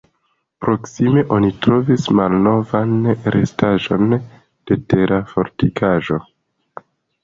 Proksime oni trovis malnovan restaĵon de tera fortikaĵo.